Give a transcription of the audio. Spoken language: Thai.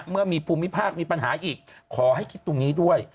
เมื่อมีภูมิภาคมีปัญหาอีกขอให้คิดตรงนี้ด้วย